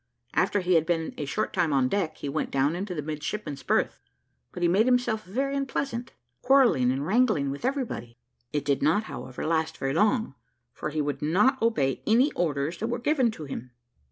After he had been a short time on deck he went down into the midshipman's berth: but he made himself very unpleasant, quarrelling and wrangling with everybody. It did not, however, last very long: for he would not obey any orders that were given him.